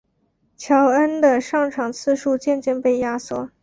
乔恩的上场次数渐渐被压缩。